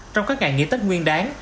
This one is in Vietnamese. trong các ngày nghỉ tết nguyên đáng